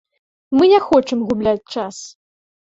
Мы не хочам губляць час.